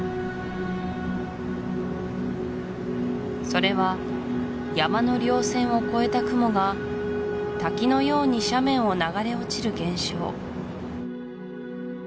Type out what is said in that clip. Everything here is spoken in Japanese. それは山の稜線を越えた雲が滝のように斜面を流れ落ちる現象